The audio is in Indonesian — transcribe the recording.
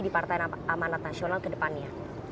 di partai amanat nasional kedepannya